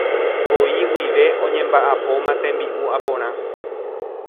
voi guive oñemba'apóma tembi'u aporã.